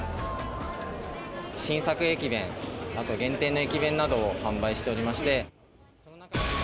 新作駅弁、あと限定の駅弁などを販売しておりまして。